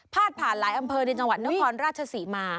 ผ่านหลายอำเภอในจังหวัดนครราชศรีมา